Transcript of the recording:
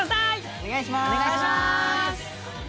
お願いします